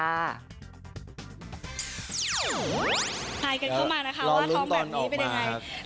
ไลน์กันเข้ามานะคะว่าท้องแบบนี้เป็นยังไง